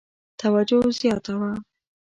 توجه زیاته وه.